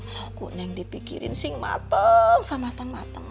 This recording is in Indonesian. soalnya neng dipikirin sih mateng mateng mateng